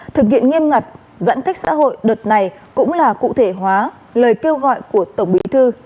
thực hiện nghiêm ngặt giãn cách xã hội đợt này cũng là cụ thể hóa lời kêu gọi của tổng bí thư